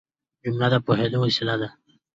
جمله د پوهېدو وسیله ده.